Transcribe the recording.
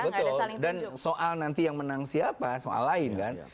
betul dan soal nanti yang menang siapa soal lain kan